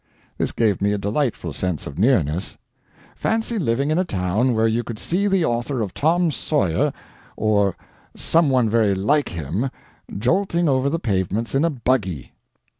This gave me a delightful sense of nearness. Fancy living in a town where you could see the author of Tom Sawyer, or "some one very like him," jolting over the pavements in a buggy!